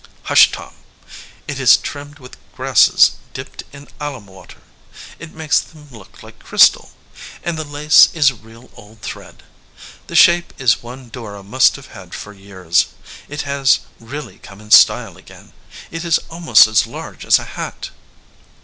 "Hush, Tom ! It is trimmed with grasses dipped in alum water. It makes them look like crystal. And the lace is real old thread. The shape is one Dora must have had for years. It has really come in style again. It is almost as large as a hat."